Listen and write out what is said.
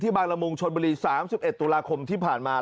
บางละมุงชนบุรี๓๑ตุลาคมที่ผ่านมา